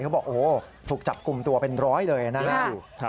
เขาบอกโอ้โหถูกจับกลุ่มตัวเป็นร้อยเลยนะครับ